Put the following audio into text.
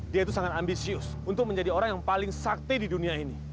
dia itu sangat ambisius untuk menjadi orang yang paling sakti di dunia ini